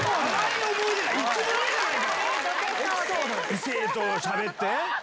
異性としゃべって。